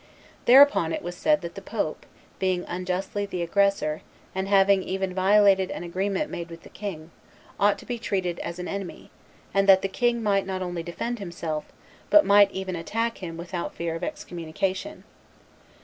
Thereupon it was said that the pope, being unjustly the aggressor, and having even violated an agreement made with the king, ought to be treated as an enemy, and that the king might not only defend himself, but might even attack him without fear of excommunication.